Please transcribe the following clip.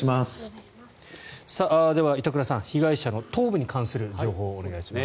では板倉さん被害者の頭部に関する情報をお願いします。